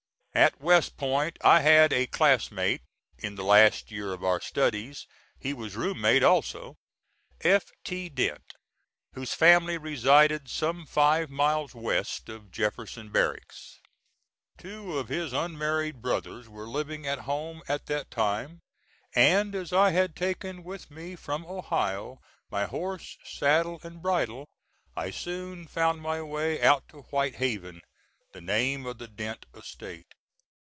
At West Point I had a class mate in the last year of our studies he was room mate also F. T. Dent, whose family resided some five miles west of Jefferson Barracks. Two of his unmarried brothers were living at home at that time, and as I had taken with me from Ohio, my horse, saddle and bridle, I soon found my way out to White Haven, the name of the Dent estate.